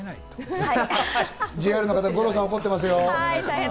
ＪＲの方、五郎さん怒ってますよ？